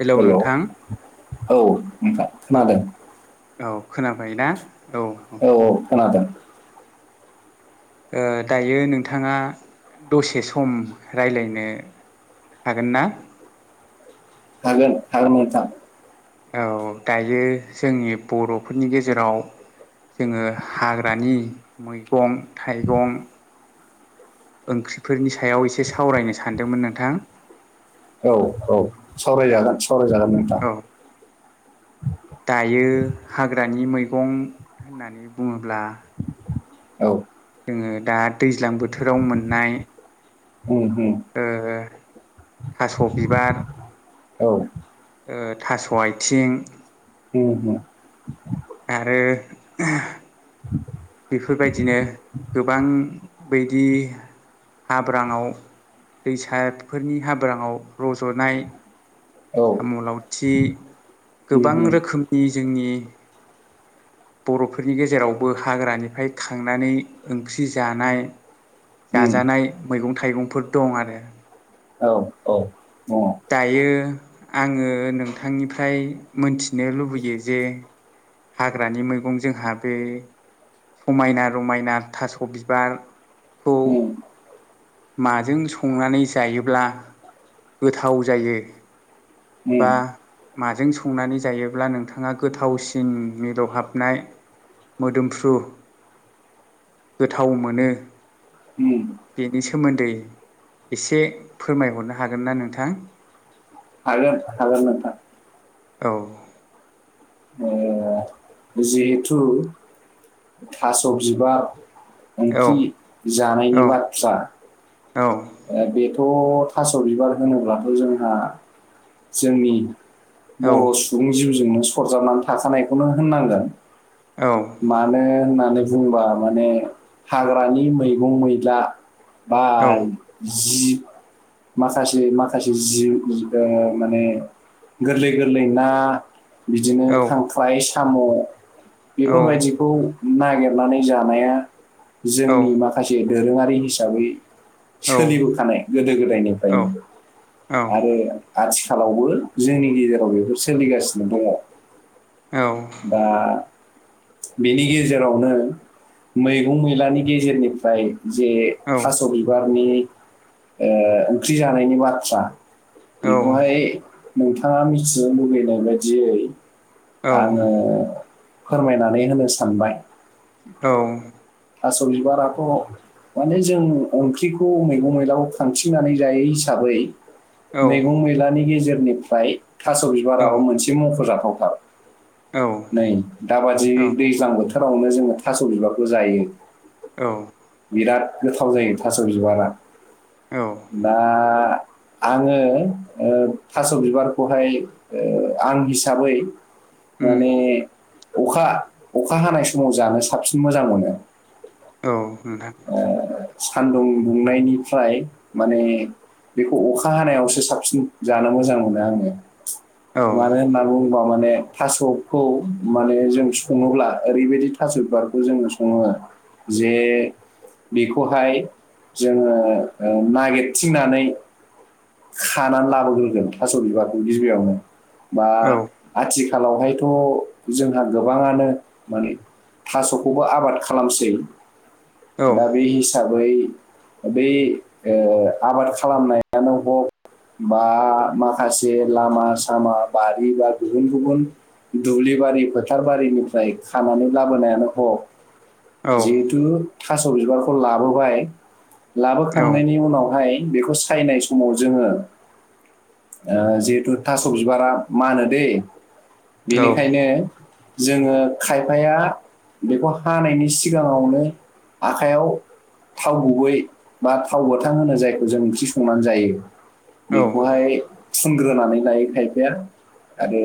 Hello हेल' औ नोंथां ओफ्राय मादों। मैना औ खोनादों। दायो नोंथाङा दसे सम रायलायनो। हागोन ना? हागोन हागोन नोंथां। औ दायो जोंनि बर'फोरनि गेजेराव। जोङो हाग्रानि मैगं-थाइगं ओंख्रिफोरनि सायाव एसे सावरायनो सानदोंमोन नोंथां। औ औ औ सावरायजागोन सावरायजागोन नोंथाङां। औ दायो हाग्रानि मैगं होननानै बुङोब्ला औ जोङो दा दैज्लां बोथोराव मोननाय। उम ओ थास' बिबार औ थास' आथिं। उम उम आरो बेफोर बायदिनो गोबां बायदि हाब्राङाव दैसाफोरनि हाब्राङाव रज'नाय औ साम' लावथि उम गोबां रोखोमनि जोंनि बर'फोरनि गेजेरावबो हाग्रानिफ्राय खांनानै ओंख्रि जानाय। उम जाजानाय मैगं थाइगंफोर दं आरो औ औ दङ दायो आङो नोंथांनिफ्राय मोनथिनो लुबैयो जे हाग्रानि मैगं जोंहा बे समायना रमायना थास' बिबारखौ उम माजों संनानै जायोब्ला गोथाव जायो उम बा माजों संनानै जायोब्ला नोंथाङा गोथावसिन मिलौहाबनाय मोदोमफ्रु गोथाव मोनो उम बेनि सोमोन्दै एसे फोरमायहरनो हागोन ना नोंथां थां हागोन हागोन नोंथां औ ओ जिहेथु थास' बिबार औ ओंख्रि औ जानायनि बाथ्रा औ ओ बेथ' थास' बिबार होनोब्लाथ' जोंहा जोंनि औ बर' सुबुं जिउजोंनो सरजाबनानै थाखानायखौनो होननांगोन औ मानो होननानै बुंबा माने हाग्रानि मैगं मैला बा औ जि माखासे माखासे जि ओ माने गोरलै गोरलै ना बिदिनो औ खांख्राय साम' औ बेफोरबायदिखौ नागेरनानै जानाया औ जोंनि माखासे दोरोङारि हिसाबै सोलिबोखानाय गोदो गोदायनिफ्रायनो आरो आथिखालावबो जोंनि गेजेराव बेफोर सोलिगासिनो दङ औ दा बेनि गेजेरावनो मैगं मैलानि गेजेरनिफ्राय जे थास' बिबारनि ओ ओंख्रि जानायनि बाथ्रा बेखौहाय नोंथाङा मिथिनो लुुबैनाय बायदियै आङो फोरमायनानै होनो सानबाय औ थास' बिबाराथ' माने जों ओंख्रि खौ मैगं मैलाखौ खांथिंनानै जायो हिसाबै मैगं मैलानि गेजेर फोरनिफ्राय थास' औ बिबाराबो मोनसे मख'जाथावथार औ नै दाबादि औ दैज्लां बोथोरावनो जोङो थास' बिबारखौ जायो औ बिराद गोथाव जायो थास' बिबारा दा आङो ओ थास' बिबारखौहाय आं हिसाबै उम माने अखा अखा हानाय समाव जानो साबसिन मोजां मोनो औ नोंथां सानदुं दुंनायनिफ्राय माने बेखौ अखा हानायावसो साबसिन जानो मोजां मोनो आङो औ मानो होनना बुङोबा माने थास'खौ माने जों सङोब्ला ओरैबायदि थास' बिबारखौ जोङो सङो जे बेखौहाय जोङो ओ नागिरथिंनानै खानानै लाबोग्रोगोन थास' बिबारखौ गिबियावनो बा औ खाथि खालावहायथ' जोंहा गोबाङानो माने थास'खौबो आबाद खालामसै औ दा बे हिसाबै बै ओ आबाद खालामनायानो हक बा माखासे लामा सामा बारि बा गुबुन गुबुन दुब्लिबारि फोथारबारिनिफ्राय खानानै लाबोनायानो औ हग जिहेथु थास' बिबारखौ लाबोबाय लाबोखांनायनि उनावहाय बेखौ सायनाय समाव जोङो ओ जिहेथु थास' बिबारा मानो दै बेनिखायनो जोङो खायफाया बेखौ हानायनि सिगाङावनो आखायाव थाव गुबै बा थाव गोथां होनो जायखौ जों ओंख्रि संनानै जायो औ बेखौहाय फुनग्रोनानै लायो खायफाया आरो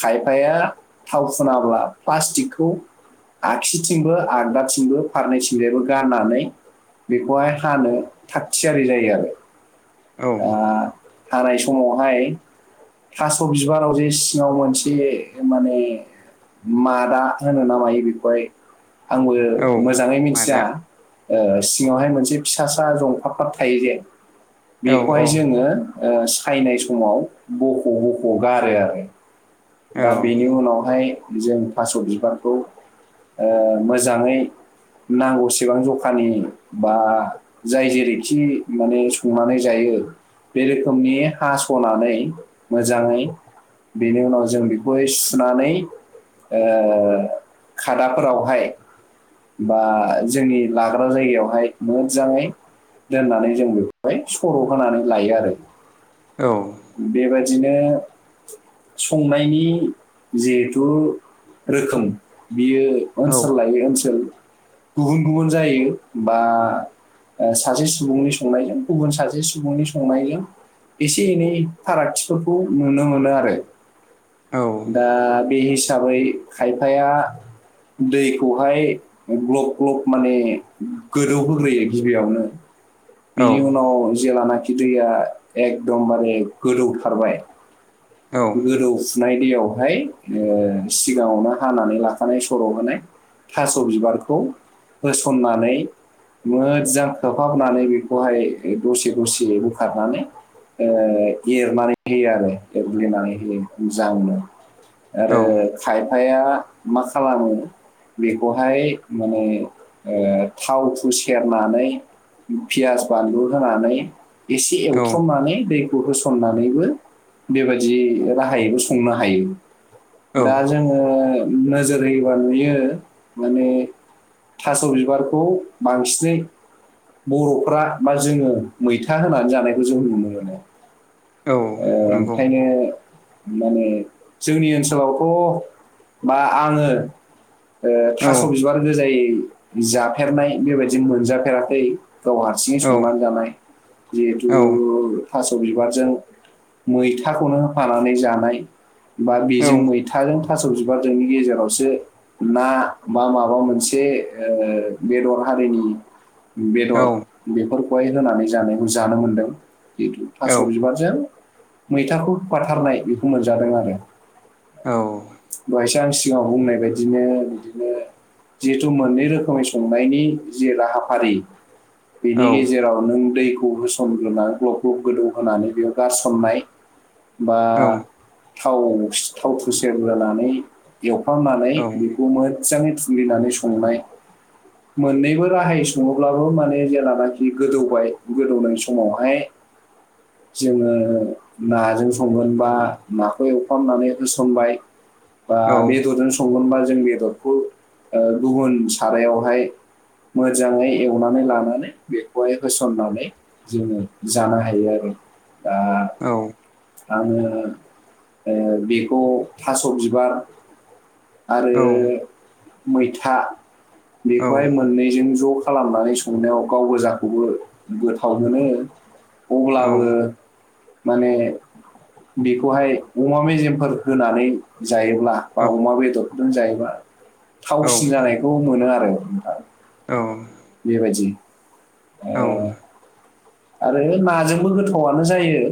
खाय फाया थाव फुनाब्ला प्लास्टिकखौ आगसिथिंबो आगदाथिंबो फारनैथिंजायबो गाननानै बेखौहाय हानो थागथियारि जायो आरो। औ दा हानाय समावहाय थास' बिबाराव जे सिङाव मोनसे माने मादा होनो ना मायो बेखौहाय आंबो औ मोजाङै मिथिया। मादा ओ सिङावहाय मोनसे फिसा सा जंफारफार थायो जे औ बेखौहाय जोङो ओ सायनाय समाव बख' बख' गारो आरो। औ दा बेनि उनावहाय जों थास' बिबारखौ ओ मोजाङै नांगौसेबां जखा खानि बा जाय जेरैखि माने संनानै जायो बे रोखोमनि हास'नानै मोजाङै बेनि उनाव जों बेखौहाय सुनानै ओ खादाफोरावहाय बा जोंनि लाग्रा जायगायावहाय मोजाङै दोननानै जों बेखौहाय सर' होनानै लायो आरो। औ बेबादिनो संनायनि जिहेथु रोखोम बियो औ ओनसोल लायै ओनसोल गुबुन गुबुन जायो बा सासे सुबुंनि संनायजों गुबुन सासे सुबुंनि संनायजों एसे एनै फारागथिफोरखौ नुनो मोनो आरो। औ दा बे हिस साबै खायफाया दैखौहाय ग्लब ग्लब माने गोदौहोग्रोयो गिबियावनो औ बिनि उनाव जेलानाखि दैया एकदमबारे गोदौथारबाय गोदौफुनाय दैयाव बेहाय सिगाङावनो हानानै लाखानाय सर'होनाय थास' बिबारखौ होसननानै मोजां खोबहाबनानै बे बेखौहाय दसे दसे बोखारनानै ओ एरनानै होयो आरो एरग्लिनानै होयो मोजांनो। आरो खायफाया मा खालामो बेखौहाय माने थावखौ सेरनानै पियास बानलु होनानै एसे एवथ्रमनानै दै होसननानैबो बेबायदि राहायैबो संनो हायो। दा जोङो नोजोर होयोबा नुयो माने थास' बिबारखौ बांसिनै बर'फ्रा बा जोङो मैथा होनानै जानायखौ जों नुनो मोनो। औ नंगौ ओंखायनो माने जोंनि ओनसोलावथ बा आङो ओ औ थास' बिबार गोजायै जाफेरनाय बेबायदिनो मोनजाफेराखै। गाव हारसिङै औ संनानै जानाय जिहेथु औ थास' बिबारजों मैथाखौनो होफानानै जानाय बा औ बेजों मैथाजों थास' बिबारजोंनि गेजेरावसो ना बा माबा मोनसे ओ बेदर हारिनि बेदर बेफोरखौहाय होनानै जानायखौ जानो मोनदों जितु थास' बिबारजों मैथाखौ [unintelligible] बेखौ मोनजादों आरो। दहायसो आं सिगाङाव बुंनाय बायदिनो बिदिनो जिहेथु मोननै रोखोमै संनायनि जि राहाफारि बेनि औ गेजेराव नों दैखौ होसनग्रोना ग्लब ग्लब गोदौ होनानै बेयाव गारसननाय [unintelligible] बा थाव थावखौ सेरग्रोनानै एव खालामनानै बेखौ मो मोजाङै थुलिनानै संनाय मोननैबो राहायै सङोब्लाबो माने जेलानाखि गोदौबाय गोदौनाय समावहाय जोङो नाजों संगोनबा नाखौ एवफ्रामनानै होसनबाय बा बेदरजों संगोन बा जों बेदरखौ ओ गुबुन सारहाय मोजाङै एवनानै लानानै बेखौहाय होसननानै जोङो जानो हायो आरो। दा औ आङो ओ बेखौ थास' बिबार आरो मैथा बेखौहाय मोननैजों ज' खालामनानै संनायाव गाव गोजाखौबो गोथाव मोनो अब्लाबो माने बेखौहाय अमा मेजेमफोर होनानै जायोब्ला बा अमा बेदरजों जायोब्ला थावसिन जानायखौ मोनो आरो नोंथां। औ बेबायदि ओ औ आरो नाजोंबो गोथावानो जायो।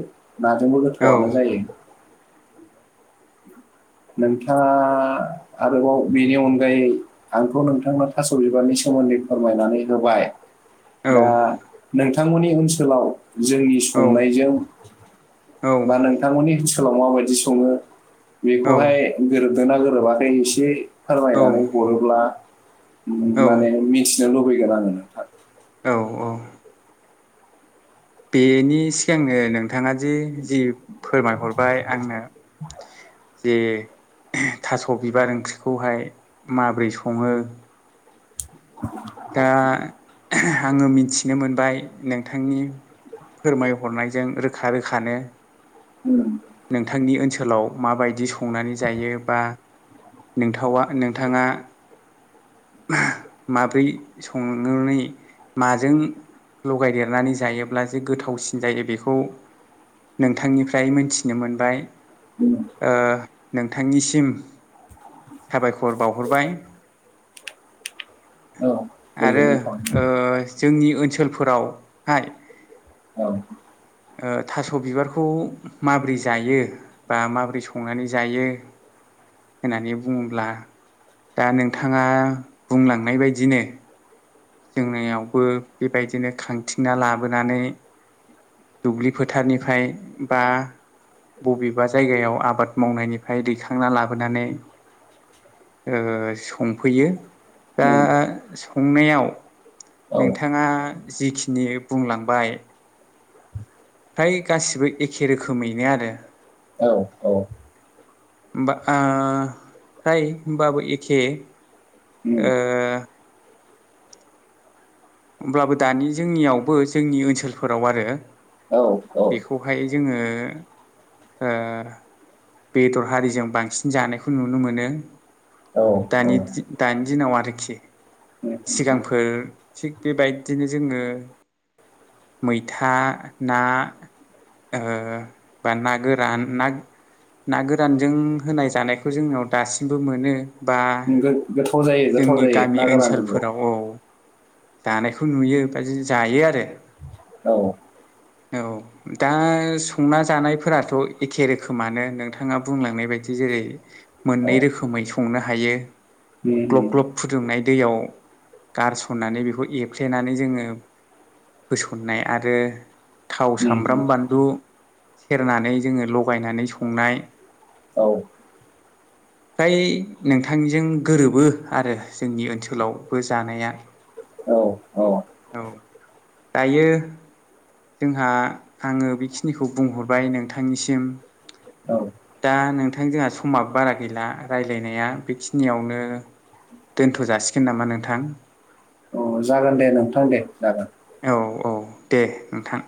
नाजोंबो औ गोथावआनो जायो। [unintelligible] नोंथाङा आरोबाव बेनि अनगायै आंथ' नोंथांनो थास' बिबारनि सोमोन्दै फोरमायनानै होबाय। औ दा नोंथांमोननि ओनसोलाव जोंनि औ संनायजों औ बा नोंथांमोननि ओनसोलाव माबायदि सङो औ बेखौहाय गोरोबदों ना गोरोबाखै एसे फोरमायनानै हरोब्ला औ माने मिथिनो लुबैगोन आङो नोंथां। औ औ बेनि सिगांनो नोंथाङा दि जि फोरमायहरबाय आंनो जे थास' बिबार ओंख्रिखौहाय माबोरै सङो दा आङो मिथिनो मोनबाय नोंथांनि फोरमायहरनायजों रोखा रोखानो उम नोंथांनि ओनसोलाव माबायदि संनानै जायो बा नोंथावा नोंथाङा माब्रै संनानै माजों लगायदेरनानै जायोब्ला जे गोथावसिन जायो बेखौ नोंथांनिफ्राय मोनथिनो मोनबाय ओ नोंथांनिसिम साबायखर बावहरबाय औ आरो गोजोननाय ओ थाबाय जोंनि ओनसोलफोरावहाय औ ओ थास' बिबारखौ माबोरै जायो बा माबोरै संनानै जायो होननानै बुङोब्ला दा नोंथाङा बुंलांनाय बायदिनो जोंनियावबो बेबायदिनो खांथिना लाबोनानै दुब्लि फोथारनिफ्राय बा बबेबा जायगायाव आबाद मावनायनिफ्राय दैखांना लाबोनानै ओ संफैयो दा औ संनायाव औ नोंथाङा जिखिनि बुंलांबाय फ्राय गासिबो एखे रोखोमैनो आरो औ औ बा ओ फ्राय होनबाबो एखे उम होनब्लाबो दानि जोंनियावबो जोंनि ओनसोलफोराव आरो औ औ बेखौहाय जोङो ओ बेदर हारिजों बांसिन जानायखौ नुनो मोनो औ औ दानि दि दानि दिनाव आरोखि उम सिगांफोर थिग बेबायदिनो जोङो मैथा ना ओ बा ना गोरान ना ना गोरानजों होनाय जानायखौ जोंनाव दासिमबो मोनो बा गो गोथाव जायो गोथाव जोंनि जायो गामि ना गोरानजोंबो ओनसोलफोराव औ दानायखौ नुयो बा जायो आरो औ औ दा संना जानायफोराथ' एखे रोखोमानो नोंथाङा बुंलांनाय बायदि जेरै औ मोननै रोखोमै संनो हायो उम ग्लब उम ग्लब फुदुंनाय दैयाव गारसननानै बेखौ एरफ्लेनानै जोङो होसन्नाय आरो थाव उम सामब्राम बानलु सेरनानै जोङो लगायनानै संनाय औ फ्राय नोंथांजों गोरोबो आरो जोंनि ओनसोलावबो जानाया औ औ औ दायो जोंहा आङो बेखिनिखौ बुंहरबाय नोंथांनिसिम दा नोंथां जोंहा समाबो बारा गैला रायलायनाया बेखिनियावनो दोनथ' जासिगोन नामा नोंथां अ जागोन दे नोंथां दे जागोन औ औ दे नोंथां